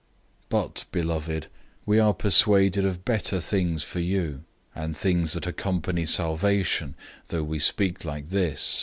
006:009 But, beloved, we are persuaded of better things for you, and things that accompany salvation, even though we speak like this.